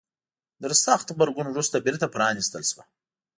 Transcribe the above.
تر سخت غبرګون وروسته بیرته پرانيستل شوه.